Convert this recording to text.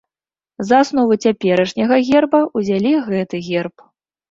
За аснову цяперашняга герба ўзялі гэты герб.